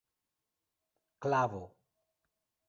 klavo